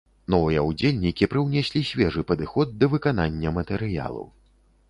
Новыя ўдзельнікі прыўнеслі свежы падыход да выканання матэрыялу.